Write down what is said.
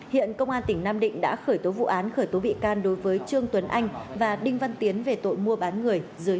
hiện công an tỉnh nam định đã khởi tố vụ án khởi tố bị can đối với trương tuấn anh và đinh văn tiến về tội mua bán người dưới một mươi sáu tuổi